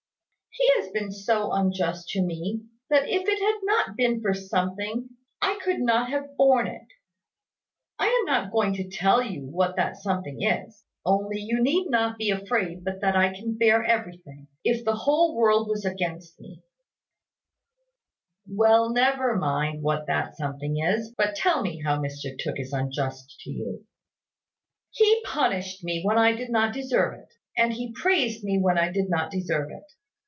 "He has been so unjust to me, that if it had not been for something, I could not have borne it. I am not going to tell you what that something is: only you need not be afraid but that I can bear everything. If the whole world was against me " "Well, never mind what that something is; but tell me how Mr Tooke is unjust to you." "He punished me when I did not deserve it; and he praised me when I did not deserve it.